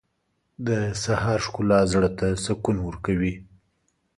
• د سهار ښکلا زړه ته سکون ورکوي.